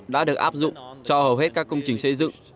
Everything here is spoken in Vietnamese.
đã được áp dụng cho hầu hết các công trình xây dựng